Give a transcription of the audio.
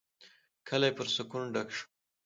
کلی پر سکون ډک شو.